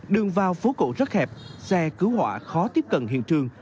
đường vào phố cổ rất hẹp xe cứu hỏa khó tiếp cận hiện trường